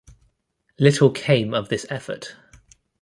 Little came of this effort.